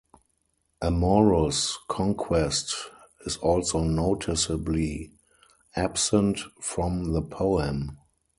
Amorous conquest is also noticeably absent from the poem.